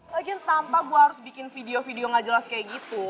lagi tanpa gue harus bikin video video gak jelas kayak gitu